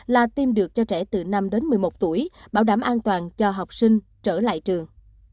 là tiêm được cho trẻ từ năm đến một mươi một tuổi bảo đảm an toàn cho học sinh trở lại trường